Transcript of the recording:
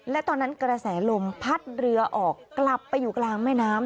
และตอนนั้นกระแสลมพัดเรือออกกลับไปอยู่กลางแม่น้ำ